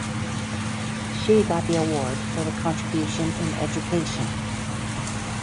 She got the award for the contribution in Education.